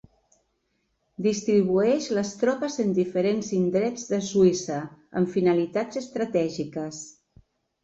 Distribueix les tropes en diferents indrets de Suïssa amb finalitats estratègiques.